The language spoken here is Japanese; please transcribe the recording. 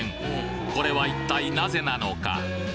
これは一体なぜなのか？